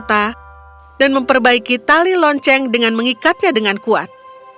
dia menemukan wali kota dan memperbaiki tali lonceng dengan mengikatnya dengan kuat